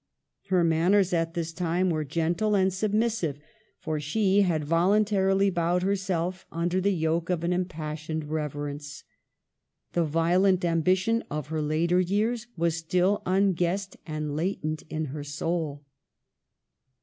Her man ners at this time were gentle and submissive, for she had voluntarily bowed herself under the yoke of an impassioned reverence. The violent ambition of her later years was still unguessed and latent in her soul.